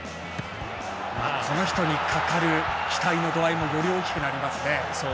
この人にかかる期待の度合いもより大きくなりますね。